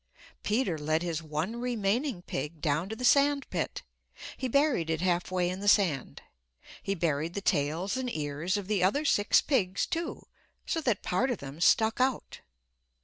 Peter led his one remaining pig down to the sand pit. He buried it halfway in the sand. He buried the tails and ears of the other six pigs, too, so that part of them stuck out.